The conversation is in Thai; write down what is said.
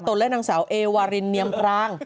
และนางสาวเอวารินเนียมพราง